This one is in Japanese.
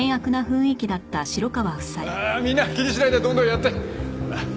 ああみんな気にしないでどんどんやって！